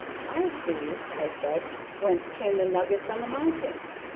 "I see," I said, "whence came the nuggets on the mountain.